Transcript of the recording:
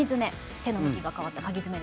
手の向きが変わったかぎ爪ですね。